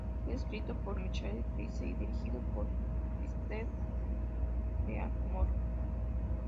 Fue escrito por Michael Price y dirigido por Steven Dean Moore.